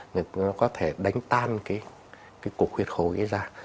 nó có thể đánh tan cái cục khuyết khối ấy ra